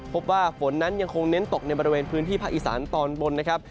พบว่าฝนนั้นยังคงเน้นตกในบริเวณพื้นที่ภาคอีสานตอนบนนะครับ